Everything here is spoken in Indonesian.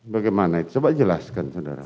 bagaimana itu coba jelaskan saudara